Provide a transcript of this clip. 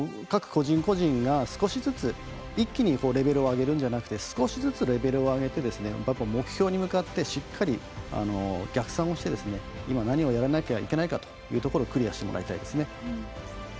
各個人個人が一気にレベルを上げるんじゃなくて少しずつレベルを上げて目標に向かってしっかり逆算をして今何をやらなきゃいけないかというところをクリアしてもらいたいですね。